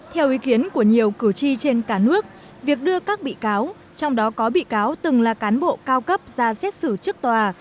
theo ý kiến của nhiều cử tri trên cả nước việc đưa các bị cáo trong đó có bị cáo từng là cán bộ cao cấp ra xét xử trước tòa